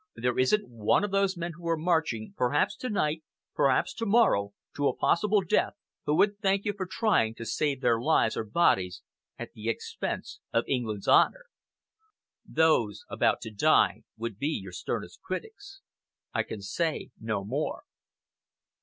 There isn't one of those men who are marching, perhaps to night, perhaps tomorrow, to a possible death, who would thank you for trying, to save their lives or bodies at the expense of England's honour. Those about to die would be your sternest critics. I can say no more."